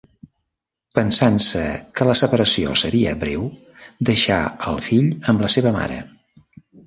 Pensant-se que la separació seria breu, deixà el fill amb la seva mare.